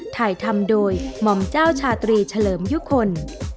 ถ่ายทำโดยหม่อมเจ้าชาตรีเฉลิมยุคล